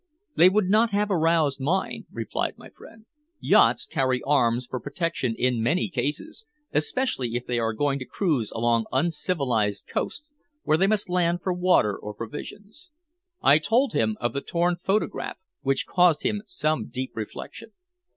"They would not have aroused mine," replied my friend. "Yachts carry arms for protection in many cases, especially if they are going to cruise along uncivilized coasts where they must land for water or provisions." I told him of the torn photograph, which caused him some deep reflection.